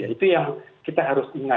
itu yang kita harus ingat